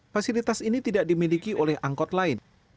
fasilitas ini tidak dimiliki oleh angkot lain